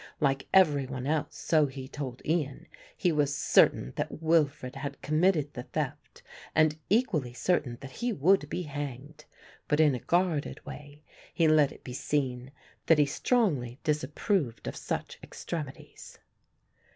Like every one else, so he told Ian, he was certain that Wilfred had committed the theft and equally certain that he would be hanged; but in a guarded way he let it be seen that he strongly disapproved of such extremities.